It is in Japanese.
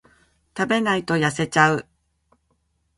食べないと痩せちゃう